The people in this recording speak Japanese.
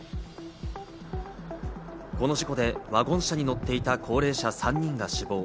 この事故でワゴン車に乗っていた高齢者３人が死亡。